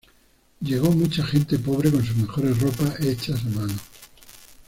Llegó mucha gente pobre con sus mejores ropas hechas a mano.